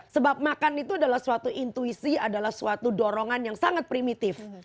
sebab makan itu adalah suatu intuisi adalah suatu dorongan yang sangat primitif